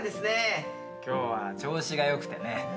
今日は調子が良くてね。